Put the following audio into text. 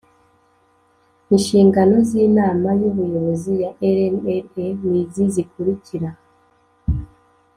Inshingano z inama y ubuyobozi ya rnra ni izi zikurikira